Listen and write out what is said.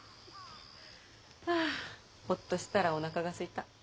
あホッとしたらおなかがすいた。